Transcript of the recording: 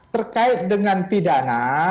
terkait dengan pidana